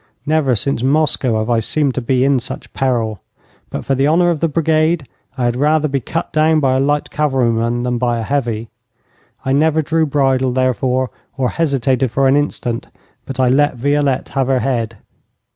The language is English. Never since Moscow have I seemed to be in such peril. But for the honour of the brigade I had rather be cut down by a light cavalryman than by a heavy. I never drew bridle, therefore, or hesitated for an instant, but I let Violette have her head.